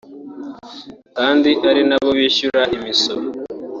kandi ari nabo bishyura imisoro